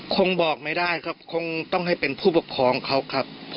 คงบอกไม่ได้ครับคงต้องให้เป็นผู้ปกครองเขาครับ